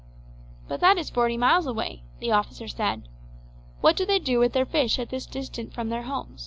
"But that is forty miles away," the officer said. "What do they do with their fish at this distance from their home?"